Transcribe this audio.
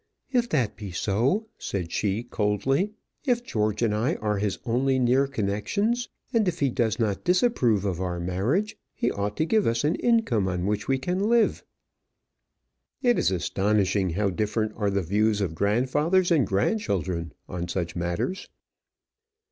"If that be so," said she, coldly, "if George and I are his only near connections, and if he does not disapprove of our marriage, he ought to give us an income on which we can live." It is astonishing how different are the views of grandfathers and grandchildren on such matters!